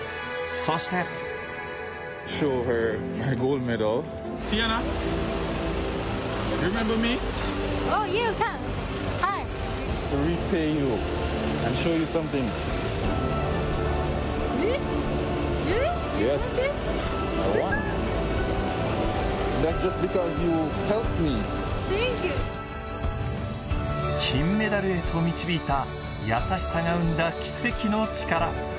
そして金メダルへと導いた優しさが生んだ奇跡の力。